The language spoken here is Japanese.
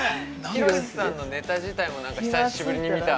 ◆ヒロシさんのネタ自体も久しぶりに見た。